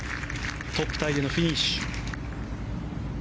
トップタイでのフィニッシュ。